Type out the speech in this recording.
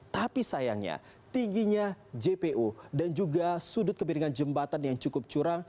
tapi sayangnya tingginya jpo dan juga sudut kemiringan jembatan yang cukup curang